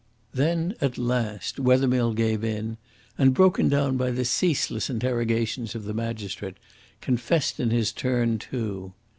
Then at last Wethermill gave in and, broken down by the ceaseless interrogations of the magistrate, confessed in his turn too.